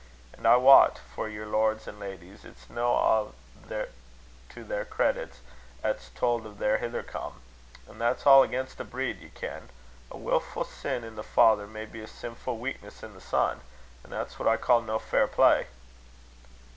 An' I wat, for yer lords and ladies, it's no a' to their credit 'at's tauld o' their hither come; an' that's a' against the breed, ye ken. A wilfu' sin in the father may be a sinfu' weakness i' the son; an' that's what I ca' no fair play."